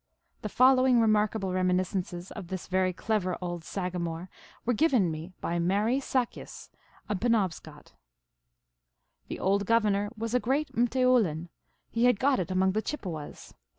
The following remarkable reminiscences of this very clever old saga more were given to me by Marie Sakis, a Penobscot :" The old governor was a great rrCteoulin. He had got it among the Chippewas.